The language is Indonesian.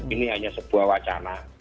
ini hanya sebuah wacana